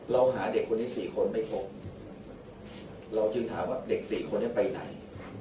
เราหาเด็กคนที่สี่คนไม่พบเราถือถามว่าเด็กสี่คนเนี่ยไปไหน